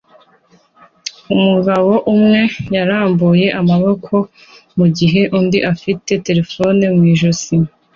Umugabo umwe yarambuye amaboko mu gihe undi afite na terefone mu ijosi